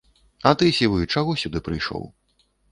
А ты, сівы, чаго сюды прыйшоў?